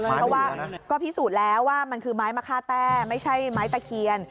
เพราะว่าก็พิสูจน์แล้วว่ามันคือไม้มะค่าแต้ไม่ใช่ไม้ตะเคียน